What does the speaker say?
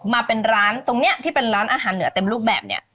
มาเป็นร้านตรงนี้ที่เป็นร้านอาหารเหนือเต็มรูปแบบเนี่ย